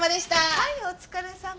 はいお疲れさま。